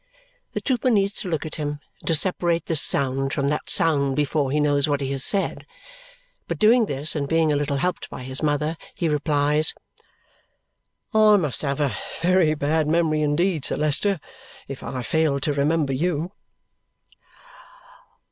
The trooper needs to look at him and to separate this sound from that sound before he knows what he has said, but doing this and being a little helped by his mother, he replies, "I must have a very bad memory, indeed, Sir Leicester, if I failed to remember you."